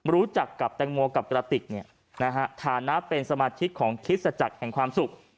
รู้จักกับแตงโมกับกระติกฐานะเป็นสมาชิกของคริสตจักรแห่งความสุข